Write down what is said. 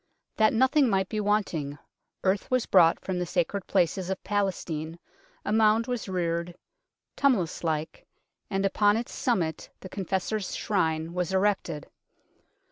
That nothing might be wanting, earth was brought from the sacred places of Palestine, a mound was reared, tumul ous like, and upon its summit the Confessor's Shrine was erected.